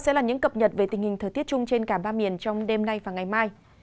sẽ là những cập nhật về tình hình thời tiết chung trên cả ba miền trong đêm nay và ngày mai